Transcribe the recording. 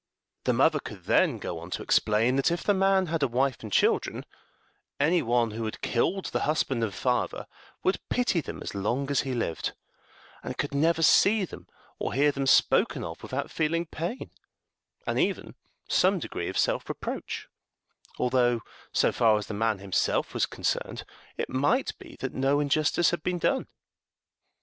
The mother could then go on to explain that, if the man had a wife and children, any one who had killed the husband and father would pity them as long as he lived, and could never see them or hear them spoken of without feeling pain, and even some degree of self reproach; although, so far as the man himself was concerned, it might be that no injustice had been done.